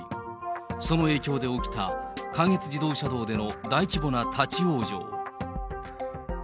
その影響で起きた関越自動車道での大規模な立往生。